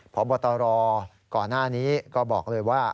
พบตรก่อนหน้านี้ก็บอกเลยว่า